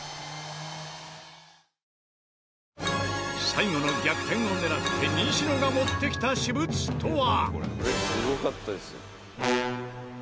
最後の逆転を狙って西野が持ってきた私物とは？